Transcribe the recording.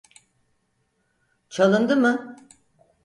Çalındı mı?